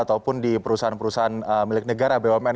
ataupun di perusahaan perusahaan milik negara bumn